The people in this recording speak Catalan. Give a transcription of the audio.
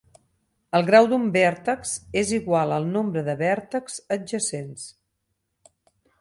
El grau d'un vèrtex és igual al nombre de vèrtexs adjacents.